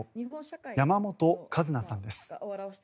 山本和奈さんです。